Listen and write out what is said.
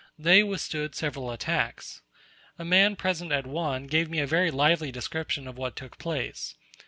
They withstood several attacks. A man present at one gave me a very lively description of what took place.